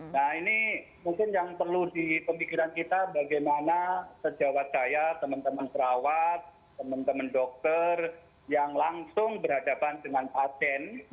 nah ini mungkin yang perlu di pemikiran kita bagaimana sejawat saya teman teman perawat teman teman dokter yang langsung berhadapan dengan pasien